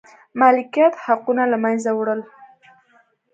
مالکیت حقونو له منځه وړل و.